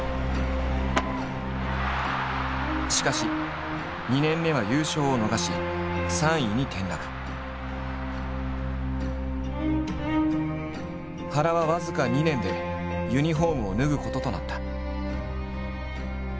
しかし２年目は優勝を逃し原は僅か２年でユニホームを脱ぐこととなった。